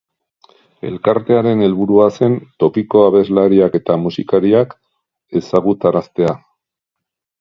Elkarte haren helburua zen tokiko abeslariak eta musikariak ezagutaraztea.